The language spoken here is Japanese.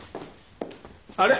あれ？